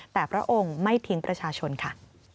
แต่พระองค์ไม่ทิ้งประชาชนค่ะ